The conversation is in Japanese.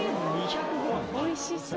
おいしそう。